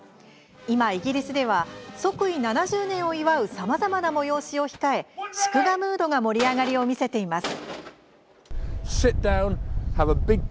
今、イギリスでは即位７０年を祝うさまざまな催しを控え、祝賀ムードが盛り上がりを見せています。